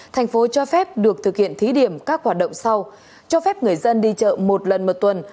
thành phố cho phép được thực hiện thí điểm các hoạt động sau cho phép người dân đi chợ một lần một tuần